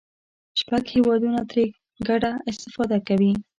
شپږ هېوادونه ترې ګډه استفاده کوي.